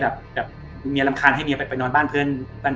จริงเมียลำคาญเมียไปนอนบ้านเพื่อน